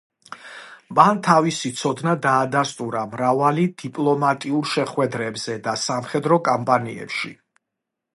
მან თავისი ცოდნა დაადასტურა მრავალი დიპლომატიურ შეხვედრებზე და სამხედრო კამპანიებში.